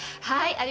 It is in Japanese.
はい。